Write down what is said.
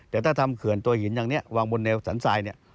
แต่ถ้าทำเขื่อนตัวหินอย่างนี้วางบนแนวสันทรายเนี่ย